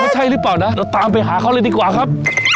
ใช่หรือเปล่านะเราตามไปหาเขาเลยดีกว่าครับ